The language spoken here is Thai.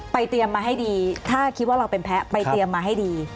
เตรียมมาให้ดีถ้าคิดว่าเราเป็นแพ้ไปเตรียมมาให้ดี